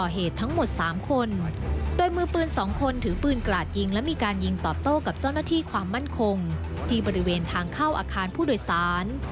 หัดยิงและมีการยิงตอบโต้กับเจ้าหน้าที่ความมั่นคงที่บริเวณทางเข้าอาคารผู้โดยสาร